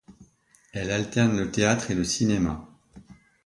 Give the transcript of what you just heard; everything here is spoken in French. Elle alterne le théâtre et le cinéma.